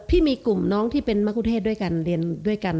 พี่มีกลุ่มน้องที่เป็นมะคุเทศด้วยกันเรียนด้วยกัน